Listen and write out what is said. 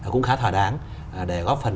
cũng khá thỏa đáng để góp phần